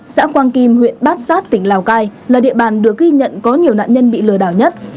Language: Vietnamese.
xã quang kim huyện bát sát tỉnh lào cai là địa bàn được ghi nhận có nhiều nạn nhân bị lừa đảo nhất